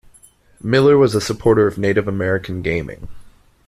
Miller was a supporter of Native American gaming.